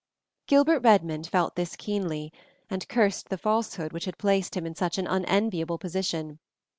Gilbert Redmond felt this keenly, and cursed the falsehood which had placed him in such an unenviable position.